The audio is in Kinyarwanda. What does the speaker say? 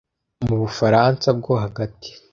Mu Bufaransa bwo hagati